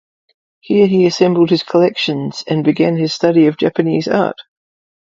Here, he assembled his collections and began his study of Japanese art.